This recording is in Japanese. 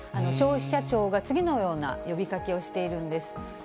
消費者庁が次のような呼びかけをしているんです。